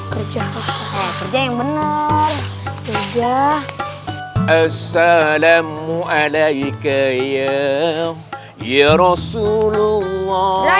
kerja kerja kerja kerja yang benar juga